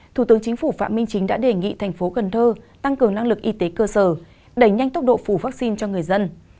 thủ tướng chính phủ phạm minh chính đã đề nghị thành phố cần thơ tăng cường năng lực y tế cơ sở đẩy nhanh tốc độ phủ vaccine cho người dân